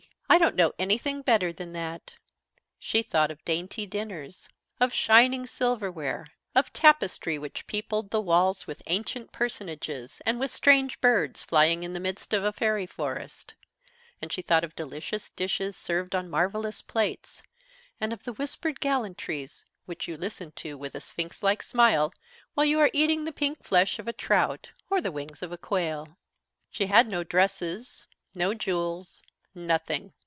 I don't know anything better than that," she thought of dainty dinners, of shining silverware, of tapestry which peopled the walls with ancient personages and with strange birds flying in the midst of a fairy forest; and she thought of delicious dishes served on marvelous plates, and of the whispered gallantries which you listen to with a sphinx like smile, while you are eating the pink flesh of a trout or the wings of a quail. She had no dresses, no jewels, nothing.